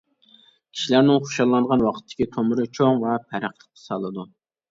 كىشىلەرنىڭ خۇشاللانغان ۋاقىتتىكى تومۇرى چوڭ ۋە پەرقلىق سالىدۇ.